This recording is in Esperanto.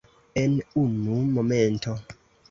En unu momento.